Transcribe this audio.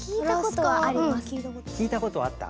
聞いたことはあった？